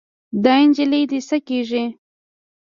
دا نجلۍ دې څه کيږي؟